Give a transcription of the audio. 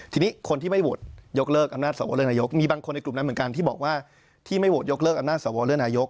ทีนี้คนที่ไม่โหวตยกเลิกอำนาจสวเลือกนายกมีบางคนในกลุ่มนั้นเหมือนกันที่บอกว่าที่ไม่โหวตยกเลิกอำนาจสวเลือกนายก